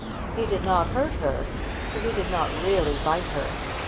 He did not hurt her, for he did not really bite her.